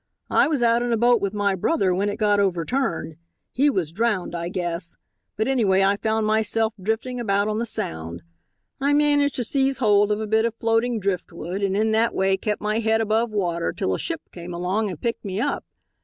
I was out in a boat with my brother when it got overturned. He was drowned, I guess, but anyway I found myself drifting about on the Sound. I managed to seize hold of a bit of floating driftwood and in that way kept my head above water till a ship came along and picked me up.